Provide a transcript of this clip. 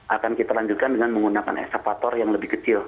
akan kita lanjutkan dengan menggunakan eskavator yang lebih kecil